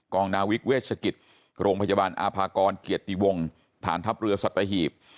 นาวิกเวชกิจโรงพยาบาลอาภากรเกียรติวงฐานทัพเรือสัตหีบ